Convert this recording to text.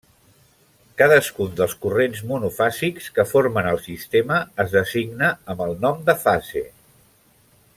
Cadascun dels corrents monofàsics que formen el sistema es designa amb el nom de fase.